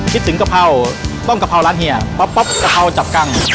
คิดถึงกะเพราต้มกะเพราร้านเฮียป๊อปกะเพราจับกัง